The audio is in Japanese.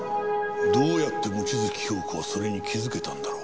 どうやって望月京子はそれに気づけたんだろう？